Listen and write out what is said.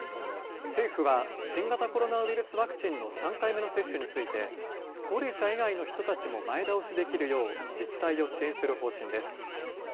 政府は、新型コロナウイルスワクチンの３回目の接種について、高齢者以外の人たちも前倒しできるよう、自治体を支援する方針です。